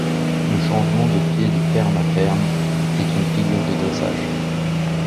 Le changement de pied de ferme à ferme est une figure de dressage.